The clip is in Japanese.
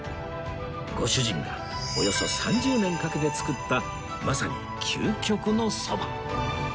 ご主人がおよそ３０年かけて作ったまさに究極のそば